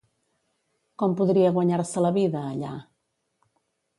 Com podria guanyar-se la vida, allà?